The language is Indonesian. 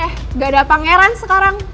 eh gak ada pangeran sekarang